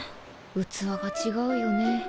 器が違うよね。